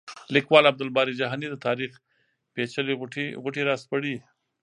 لیکوال عبدالباري جهاني د تاریخ پېچلې غوټې راسپړي.